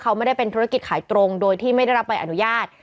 เขาไม่ได้เป็นธุรกิจขายตรงโดยที่ไม่ได้รับใบอนุญาต